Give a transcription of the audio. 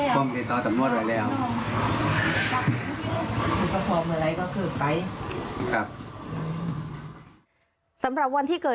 เขามาพออะไร่ก็